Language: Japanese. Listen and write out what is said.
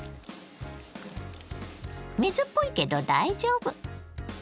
水っぽいけど大丈夫。